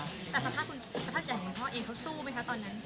แต่สภาพใจของคุณพ่อเองเขาสู้ไหมคะตอนนั้น